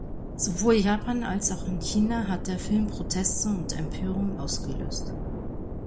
Sowohl in Japan als auch in China hat der Film Proteste und Empörung ausgelöst.